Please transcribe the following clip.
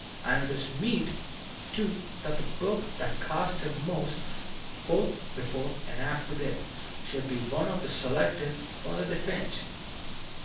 And it is meet, too, that the book that cost him most, both before and after death, should be the one selected for defense.